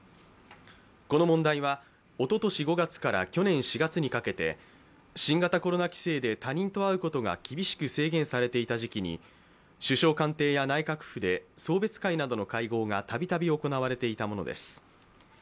この問題は、おととし５月から去年４月にかけて、新型コロナ規制で他人と会うことが厳しく制限されていた時期に首相官邸や内閣府で送別会などの会合が度々、行われていたものです。